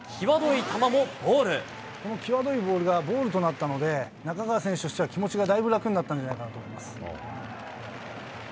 このきわどいボールがボールとなったので、中川選手としては気持ちがだいぶ楽になったんじゃないかと思いま